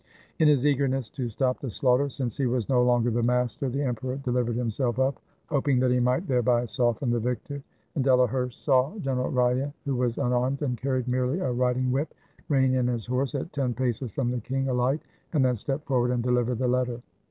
In his eagerness to stop the slaughter, since he was no longer the master, the emperor dehvered himself up, hoping that he might thereby soften the victor. And Delaherche saw General Reille, who was unarmed and carried merely a riding whip, rein in his horse at ten paces from the king, ahght, and then step forward and deliver the letter.